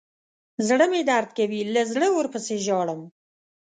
زړه مې درد کوي له زړه ورپسې ژاړم.